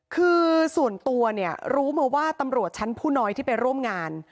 คือส่วนตัวเนี่ยรู้มาว่าตำรวจชั้นผู้น้อยที่ไปร่วมงาน